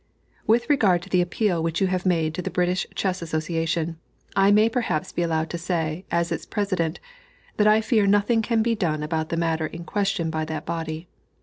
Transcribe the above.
With regard to the appeal which you have made to the British Chess Association, I may perhaps be allowed to say, as its President, that I fear nothing can be done about the matter in question by that body.